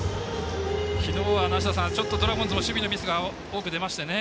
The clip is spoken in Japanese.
昨日は梨田さん、ドラゴンズも守備のミスが多く出ましたね。